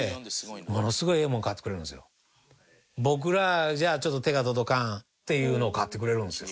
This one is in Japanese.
僕らじゃちょっと手が届かんっていうのを買ってくれるんですよ。